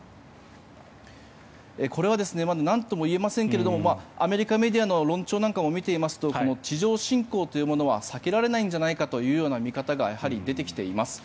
これはまだなんとも言えませんがアメリカメディアの論調なんかも見ていますと地上侵攻というものは避けられないんじゃないかというような見方が出てきています。